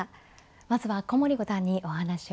まずは古森五段にお話を伺います。